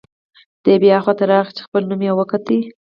دی بیا خوا ته راغی چې خپل نوم یې وکوت.